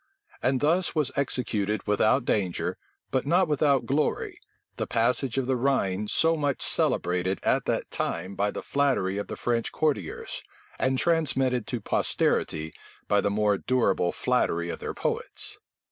And thus was executed without danger, but not without glory, the passage of the Rhine so much celebrated at that time by the flattery of the French courtiers, and transmitted to posterity by the more durable flattery of their poets.